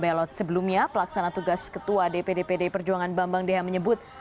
tidak ada yang membelot sebelumnya pelaksana tugas ketua dpd pd perjuangan bambang deha menyebut